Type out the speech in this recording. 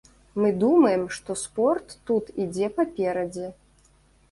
Мы думаем, што спорт тут ідзе паперадзе.